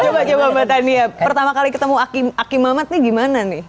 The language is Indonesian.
coba coba mbak tani ya pertama kali ketemu aki mamat nih gimana nih